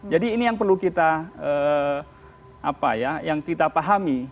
jadi ini yang perlu kita pahami